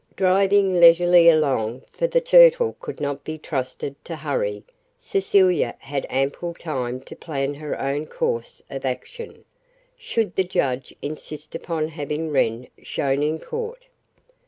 Driving leisurely along, for the Turtle could not be trusted to hurry, Cecilia had ample time to plan her own course of action, should the judge insist upon having Wren shown in court.